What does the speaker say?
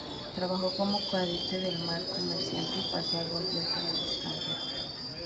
Trabajó como cadete del mar comerciante y pasó algún tiempo en el extranjero.